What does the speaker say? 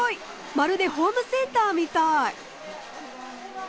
まるでホームセンターみたい。